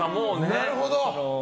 なるほど。